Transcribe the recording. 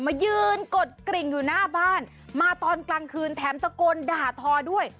มายืนกดกริ่งอยู่หน้าบ้านมาตอนกลางคืนแถมตะโกนด่าทอด้วย